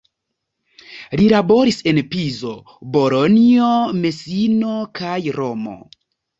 Li laboris en Pizo, Bolonjo, Mesino kaj Romo.